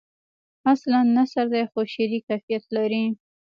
اصلاً نثر دی خو شعری کیفیت لري.